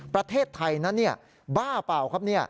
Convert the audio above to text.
ประเทศไทยนั้นบ้าเปล่าครับ